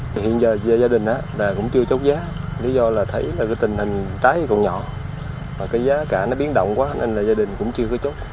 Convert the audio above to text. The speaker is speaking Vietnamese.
cái lứa bông đó cũng chưa chốt giá lý do là thấy tình hình trái còn nhỏ và cái giá cả nó biến động quá nên là gia đình cũng chưa có chốt